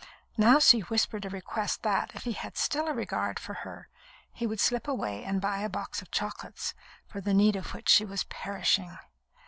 Now she whispered a request that, if he had still a regard for her, he would slip away and buy a box of chocolates, for the need of which she was perishing.